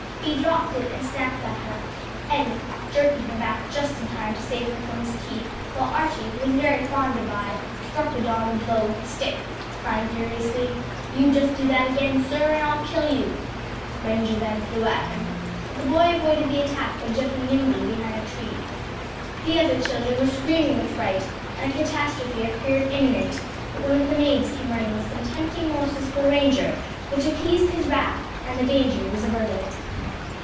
Be dropped it and snapped at her, Eddie jerking her back just in time to save her from his teeth, while Archie, who was very fond of Vi, struck the dog a blow with a stick, crying furiously, "You just do that again, sir, and I'll kill you!" Ranger then flew at him, but the boy avoided the attack by jumping nimbly behind a tree. The other children were screaming with fright, and a catastrophe appeared imminent, but one of the maids came running with some tempting morsels for Ranger which appeased his wrath, and the danger was averted.